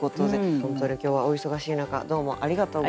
本当に今日はお忙しい中どうもありがとうございました。